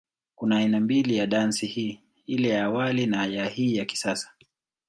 Kuna aina mbili ya dansi hii, ile ya awali na ya hii ya kisasa.